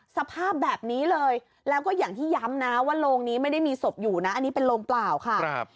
สภาพแบบนี้เลยแล้วก็อย่างที่ย้ำนะว่าโรงนี้ไม่ได้มีศพอยู่นะอันนี้เป็นโรงเปล่าค่ะ